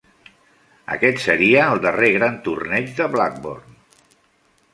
Aquest seria el darrer gran torneig de Blackburne.